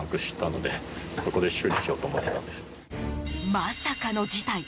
まさかの事態。